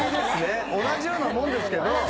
同じようなもんですけど。